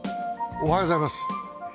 おはようございます。